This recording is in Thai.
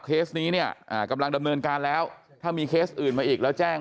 เคสนี้เนี่ยกำลังดำเนินการแล้วถ้ามีเคสอื่นมาอีกแล้วแจ้ง